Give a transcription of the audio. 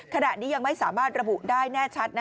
ขณะนี้ยังไม่สามารถระบุได้แน่ชัด